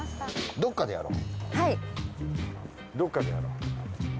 どこかでやろう。